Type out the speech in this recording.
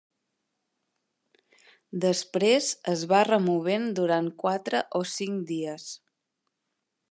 Després es va removent durant quatre o cinc dies.